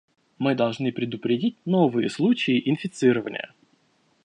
Мы должны предупредить новые случаи инфицирования.